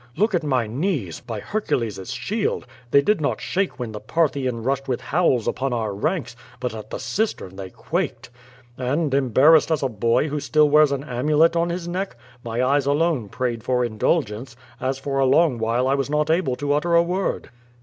Look at my knees! By Hercules's shield! they did not shake when the Parthian rushed with howls upon our ranks — but at the cistern they quaked. And, embarrassed as a boy who still wears an amulet on his neck, my eyes alone 1/ prayed for indulgence, as for a long while I was not able to utter a word.'